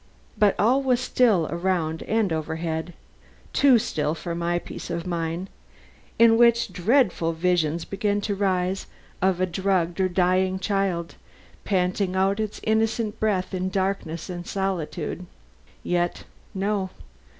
But all was still around and overhead; too still for my peace of mind, in which dreadful visions began to rise of a drugged or dying child, panting out its innocent breath in darkness and solitude. Yet no.